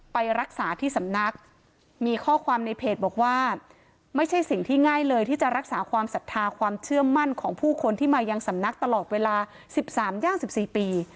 ไปรักษาที่สำนักมีข้อความในเพจบอกว่าไม่ใช่สิ่งที่ง่ายเลยที่จะรักษาความศรัทธาความเชื่อมั่นของผู้คนที่มายังสำนักตลอดเวลา๑๓ย่าง๑๔ปี